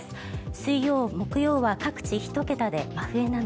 水曜、木曜は各地１桁で真冬並み。